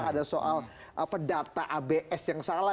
ada soal data abs yang salah